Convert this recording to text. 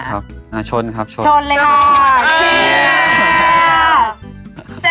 ขอบคุณครับนึงค่ะแชท